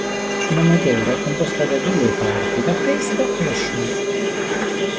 Una meteora è composta di due parti: la testa e la scia.